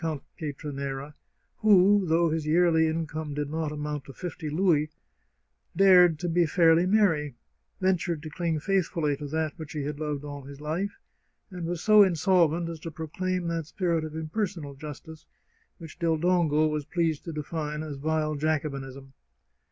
Count Pietra nera, who, though his yearly income did not amount to fifty louis, dared to be fairly merry, ventured to cling faith fully to that which he had loved all his life, and was so in solent as to proclaim that spirit of impersonal justice which Del Dongo was pleased to define as vile Jacobinism.